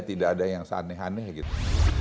tidak ada yang seaneh aneh gitu